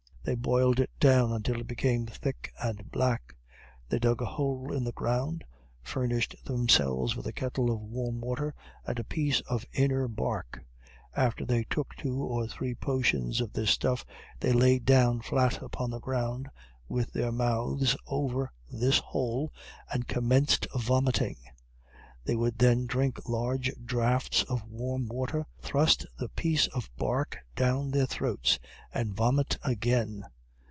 They boiled it down until it became thick and black. They dug a hole in the ground furnished themselves with a kettle of warm water and a piece of inner bark after they took two or three portions of this stuff, they laid down flat upon the ground, with their mouths over this hole, and commenced vomiting. They would then drink large draughts of warm water, thrust the piece of bark down their throats and vomit again.